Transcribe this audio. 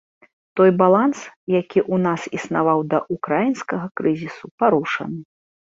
Той баланс, які ў нас існаваў да ўкраінскага крызісу, парушаны.